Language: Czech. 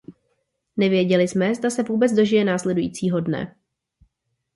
Nevěděli jsme, zda se vůbec dožijeme následujícího dne.